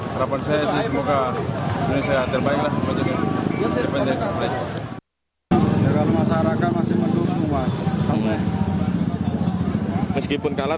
harapan saya semoga indonesia terbaik lah